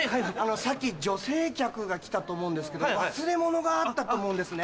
さっき女性客が来たと思うんですけど忘れ物があったと思うんですね。